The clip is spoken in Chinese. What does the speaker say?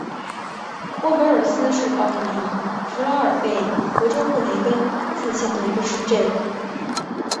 默格尔斯是奥地利福拉尔贝格州布雷根茨县的一个市镇。